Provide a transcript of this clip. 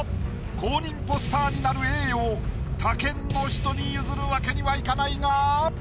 公認ポスターになる栄誉を他県の人に譲るわけにはいかないが。